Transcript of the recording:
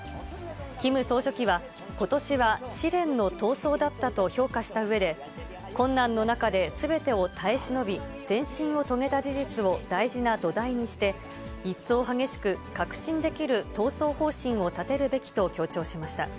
キム総書記は、ことしは試練の闘争だったと評価したうえで、困難の中ですべてを耐え忍び、前進を遂げた事実を大事な土台にして、一層激しく確信できる闘争方針を立てるべきと強調しました。